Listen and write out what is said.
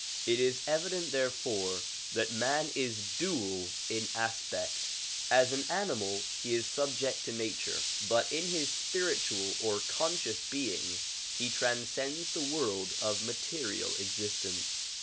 It is evident therefore that man is dual in aspect ; as an animal he is subject to nature, but in his spiritual or conscious being he transcends the world of material existence.